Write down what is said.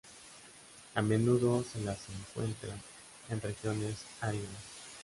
A menudo se las encuentra en regiones áridas.